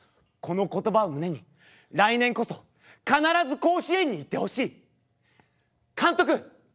この言葉を胸に来年こそ必ず甲子園に行ってほしい。監督。